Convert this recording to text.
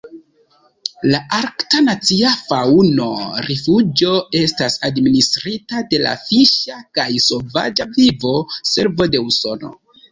La Arkta Nacia Faŭno-Rifuĝo estas administrita de la Fiŝa kaj Sovaĝa Vivo-Servo de Usono.